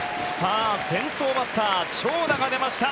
先頭バッター、長打が出ました。